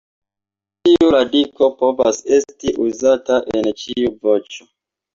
Ne ĉiu radiko povas esti uzata en ĉiu voĉo.